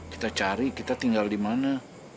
kita cari kita tinggal di mana